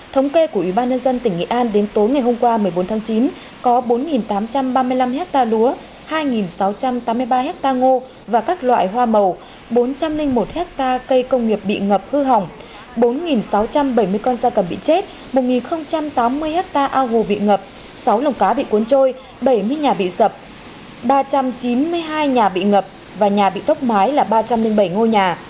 thống kê của ubnd tỉnh nghệ an đến tối ngày hôm qua một mươi bốn tháng chín có bốn tám trăm ba mươi năm hectare lúa hai sáu trăm tám mươi ba hectare ngô và các loại hoa màu bốn trăm linh một hectare cây công nghiệp bị ngập hư hỏng bốn sáu trăm bảy mươi con da cầm bị chết một tám mươi hectare ao hù bị ngập sáu lồng cá bị cuốn trôi bảy mươi nhà bị sập ba trăm chín mươi hai nhà bị ngập và nhà bị thốc mái là ba trăm linh bảy ngô nhà